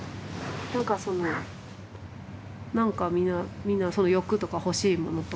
何かその何か皆みんな欲とか欲しいものとか。